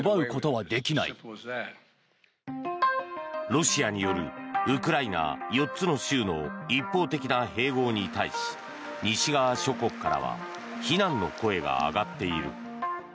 ロシアによるウクライナ４つの州の一方的な併合に対し西側諸国からは非難の声が上がっている。